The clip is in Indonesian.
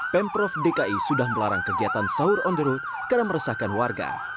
pemprov dki sudah melarang kegiatan sahur on the road karena meresahkan warga